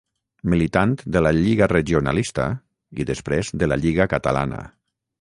Militant de la Lliga Regionalista i després de la Lliga Catalana.